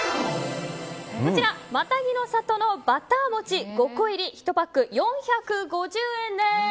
マタギの里のバター餅５個入り１パック４５０円です。